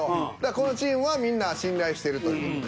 このチームはみんな信頼してるという事で。